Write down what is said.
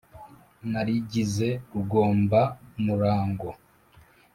Narigize rugombamurango